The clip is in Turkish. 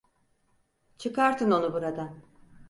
Çıkartın onu buradan.